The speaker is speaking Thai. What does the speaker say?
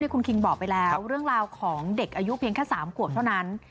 คุณคิงบอกไปแล้วเรื่องราวของเด็กอายุเพียงแค่๓ขวบเท่านั้น